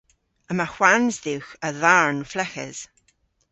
Yma hwans dhywgh a dharn fleghes.